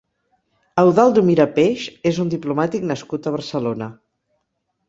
Eudaldo Mirapeix és un diplomàtic nascut a Barcelona.